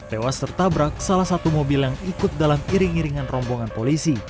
tewas tertabrak salah satu mobil yang ikut dalam iring iringan rombongan polisi